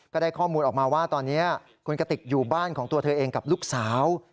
ก็ได้ข้อมูลออกมาว่าตอนนี้คุณกติกอยู่บ้านของตัวเธอเองกับลูกสาว